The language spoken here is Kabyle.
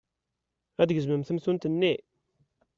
Ad d-gezmemt tamtunt-nni?